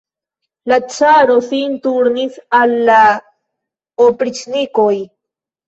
La caro sin turnis al la opriĉnikoj.